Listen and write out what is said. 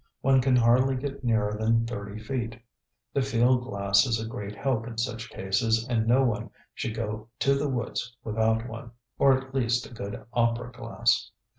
One can hardly get nearer than thirty feet. The field glass is a great help in such cases, and no one should go to the woods without one, or at least a good opera glass.